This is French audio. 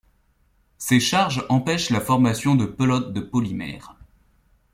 Ces charges empêchent la formation de pelotes de polymère.